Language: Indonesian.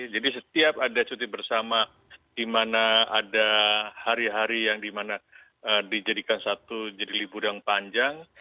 jadi setiap ada cuti bersama di mana ada hari hari yang di mana dijadikan satu jadi liburan panjang